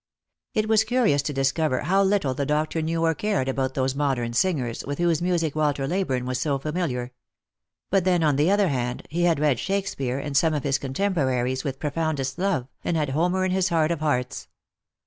It was curious to discover how little the doctor knew or cared about those modern singers, with whose music Walter Ley burne, was so familiar. But then, on the other hand, he had read Shakespeare and some of his contemporaries with pro foundest love, and had Homer in his heart of hearts.